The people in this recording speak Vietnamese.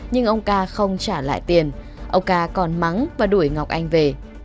nhưng ông ca không trả lại tiền ông ca còn mắng và đuổi ngọc anh về